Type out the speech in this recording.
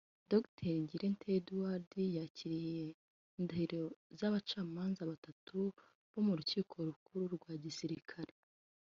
Dr Ngirente Edouard yakiriye indahiro z’abacamanza batatu bo mu Rukiko Rukuru rwa Gisirikari